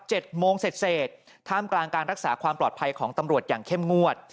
เจ็ดโมงเศษท่ามกลางการรักษาความปลอดภัยของตำรวจอย่างเข้มงวด